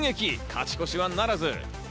勝ち越しはならず。